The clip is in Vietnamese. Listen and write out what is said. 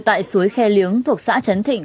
tại suối khe liếng thuộc xã trấn thịnh